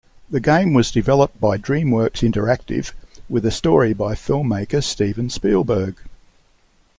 The game was developed by DreamWorks Interactive, with a story by filmmaker Steven Spielberg.